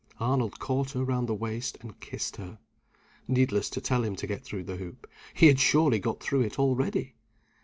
Arnold caught her round the waist and kissed her. Needless to tell him to get through the hoop. He had surely got through it already!